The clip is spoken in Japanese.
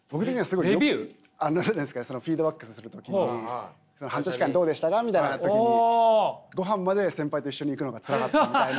何ですかそのフィードバックする時に半年間どうでしたかみたいな時に「ごはんまで先輩と一緒に行くのがツラかった」みたいな。